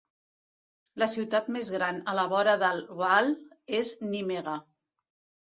La ciutat més gran a la vora del Waal és Nimega.